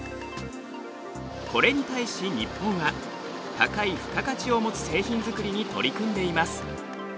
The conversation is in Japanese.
これに対し日本は高い付加価値を持つ製品作りに取り組んでいます。